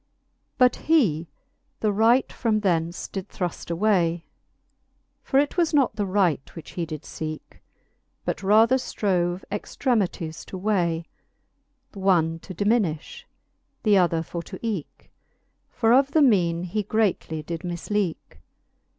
XLIX. But he the right from thence did thruft away, For it was not the right, which he did feeke j But rather ftrove extremities to way, Th'one to diminifh, th'other for to eeke ; For of the meane he greatly did mifleeke.